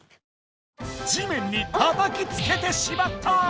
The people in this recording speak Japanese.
⁉地めんにたたきつけてしまった！